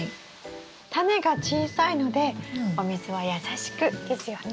タネが小さいのでお水は優しくですよね？